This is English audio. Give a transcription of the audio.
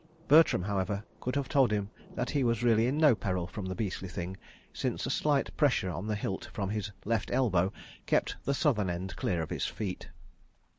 Bertram, however, could have told him that he was really in no peril from the beastly thing, since a slight pressure on the hilt from his left elbow kept the southern end clear of his feet.